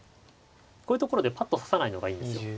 こういうところでパッと指さないのがいいんですよ。